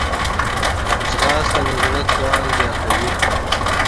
منډه د زړه توان زیاتوي